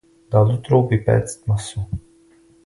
Dal do trouby péct maso.